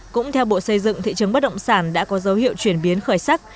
cũng theo bộ xây dựng thị trường bất động sản đã có dấu hiệu chuyển biến khởi sắc